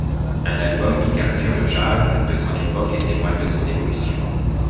Un album qui capture le jazz de son époque et témoigne de son évolution.